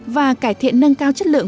và cải thiện nâng cao chất lượng